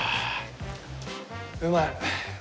うまい。